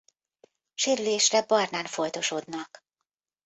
Sérülésre barnán foltosodnak.